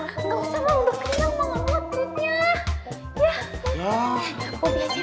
gak usah emang udah keringat emang